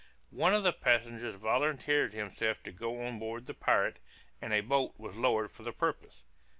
One of the passengers volunteered himself to go on board the pirate, and a boat was lowered for the purpose.